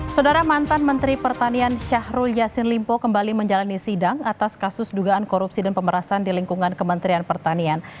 saudara mantan menteri pertanian syahrul yassin limpo kembali menjalani sidang atas kasus dugaan korupsi dan pemerasan di lingkungan kementerian pertanian